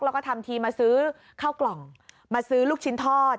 แล้วก็ทำทีมาซื้อข้าวกล่องมาซื้อลูกชิ้นทอด